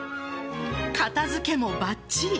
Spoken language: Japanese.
片付けもばっちり。